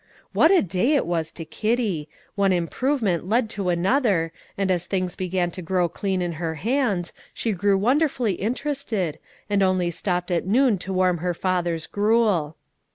What a day it was to Kitty! One improvement led to another, and as things began to grow clean in her hands, she grew wonderfully interested, and only stopped at noon to warm her father's gruel.